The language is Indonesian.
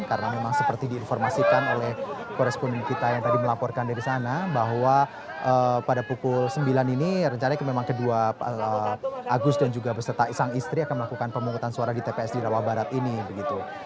karena memang seperti diinformasikan oleh korespon kita yang tadi melaporkan dari sana bahwa pada pukul sembilan ini rencana memang kedua agus dan juga berserta sang istri akan melakukan pemungutan suara di tps di rawa barat ini